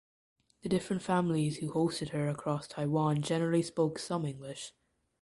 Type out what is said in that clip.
The different families who hosted her across Taiwan generally spoke some English.